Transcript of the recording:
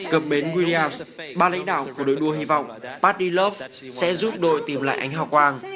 cập bến williams ba lãnh đạo của đội đua hy vọng fadi loeb sẽ giúp đội tìm lại anh hào quang